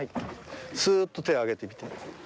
スーッと手を上げてきて。